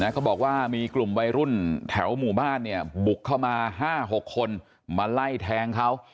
เขาบอกว่ามีกลุ่มวัยรุ่นแถวหมู่บ้านบุกเข้ามา๕๖คนมาไล่แทงเขา